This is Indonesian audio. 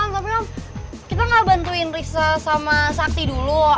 tapi om kita nggak bantuin risa sama sakti dulu